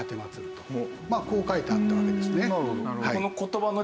こう書いてあったわけですね。